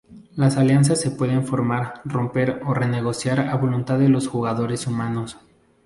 Las alianzas se pueden formar, romper o renegociar a voluntad con los jugadores humanos.